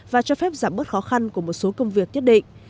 và cho phép giảm bớt khó khăn của một số công việc nhất định